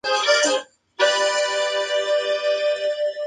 Music Core, siendo ella la vocalista principal y bailarina del grupo.